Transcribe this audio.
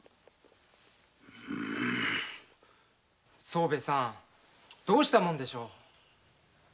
宗兵衛さんどうしたもんでしょう。